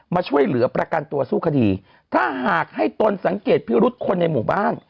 มาช่วยเหลือประกันตัวสู้คดีถ้าหากให้ตนสังเกตพิรุษคนในหมู่บ้าน